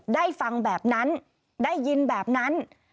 ได้ฟังแบบนั้นได้ยินแบบนั้น